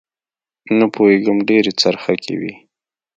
نه پوېېږم ډېرې څرخکې وې.